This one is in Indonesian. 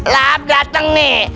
lahap dateng nih